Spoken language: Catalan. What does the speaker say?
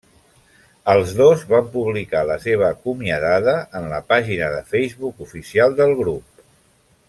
Els dos van publicar la seva acomiadada en la pàgina de Facebook oficial del grup.